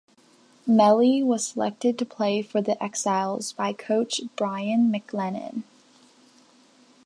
Meli was selected to play for the Exiles by coach Brian McLennan.